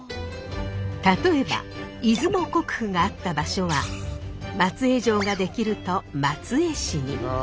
例えば出雲国府があった場所は松江城ができると松江市に。